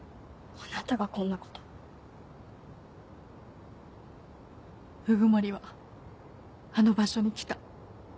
あなたがこんなこと鵜久森はあの場所に来た。